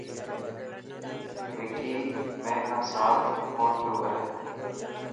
وڪي مين کان سات ڪونه پيو ڪري.